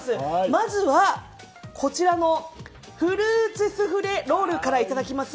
まずは、こちらのフルーツスフレロールからいただきます。